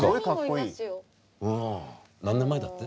ああ何年前だって？